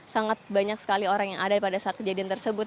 sangat banyak sekali orang yang ada pada saat kejadian tersebut